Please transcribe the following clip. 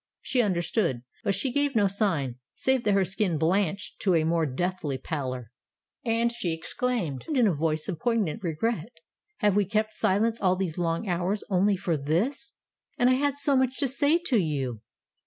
She understood; but she gave no sign, save that her skin blanched to a more deathly pallor, and she exclaimed in a voice of poignant regret: "Have we kept silence all these long hours only for this? And I had so much to say to you!"